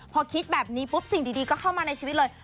พอคิดแบบนี้ปุ๊บสิ่งดีก็เข้ามาในชีวิตเลย